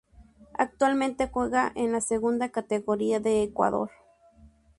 Actualmente juega en la Segunda Categoría de Ecuador.